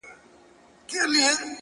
• چي وګړي د یوه پلار د وطن یو ,